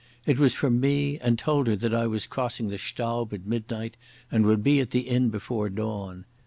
It was from me and told her that I was crossing the Staub at midnight and would be at the inn before dawn.